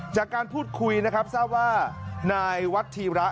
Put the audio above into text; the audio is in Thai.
จากการพูดคุยนะครับทราบว่านายวัฒีระ